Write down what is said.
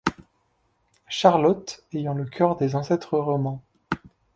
Charlotte, ayant le coeur des ancêtres romains